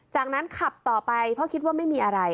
จากนั้นขับต่อไปเพราะคิดว่าไม่มีอะไร